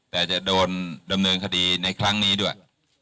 แต่จะโดนดำเนินคดีในครั้งนี้ด้วย